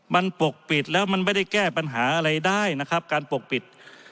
มันปกปิดแล้วมันไม่ได้แก้ปัญหาอะไรได้นะครับการปกปิด